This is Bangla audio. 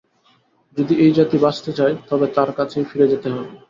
যদি এই জাতি বাঁচতে চায়, তবে তাঁর কাছেই ফিরে যেতে হবে।